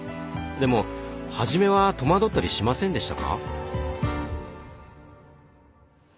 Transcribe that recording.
でも初めは戸惑ったりしませんでしたか？